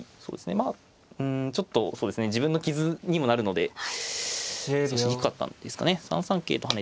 まあうんちょっと自分の傷にもなるので指しにくかったんですかね。